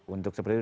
untuk seperti itu